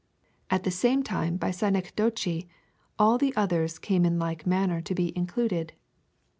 At the same time by synecdoche, all the othei's come in like manner to be included.